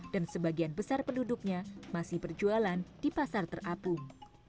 dan sebagian besar penduduknya masih berjualan di pasar terapung